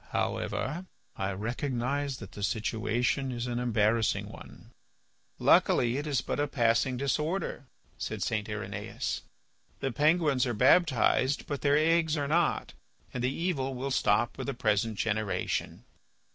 However, I recognise that the situation is an embarrassing one." "Luckily it is but a passing disorder," said St. Irenaeus. "The penguins are baptized, but their eggs are not, and the evil will stop with the present generation."